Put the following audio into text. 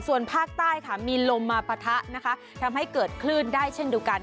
ส่วนภาคใต้ค่ะมีลมมาปะทะนะคะทำให้เกิดคลื่นได้เช่นเดียวกัน